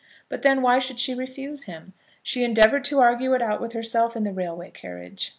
But, then, why should she refuse him? She endeavoured to argue it out with herself in the railway carriage.